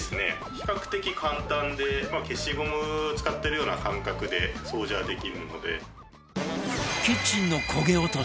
比較的簡単で消しゴム使ってるような感覚で掃除はできるので。